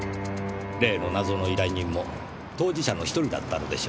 例の謎の依頼人も当事者の一人だったのでしょう。